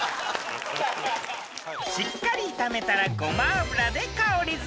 ［しっかり炒めたらごま油で香りづけ］